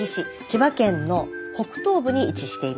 千葉県の北東部に位置しています。